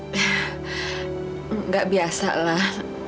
bu gak biasa lah